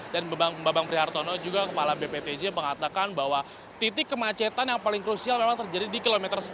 dan mbak bang prihartono juga kepala bptj mengatakan bahwa titik kemacetan yang paling krusial memang terjadi di kilometer sepuluh